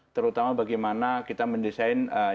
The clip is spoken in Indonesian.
terutama bagaimana kita mendesain yang namanya ruhu